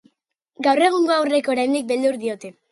Gaur egungo haurrek oraindik beldur diote.